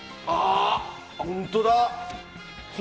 本当だ。